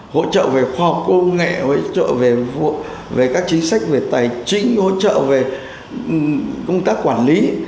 hỗ trợ về khoa học công nghệ hỗ trợ về các chính sách về tài chính hỗ trợ về công tác quản lý